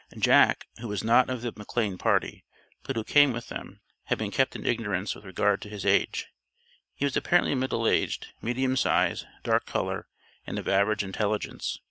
Jack, who was not of the McLane party, but who came with them, had been kept in ignorance with regard to his age. He was apparently middle aged, medium size, dark color, and of average intelligence.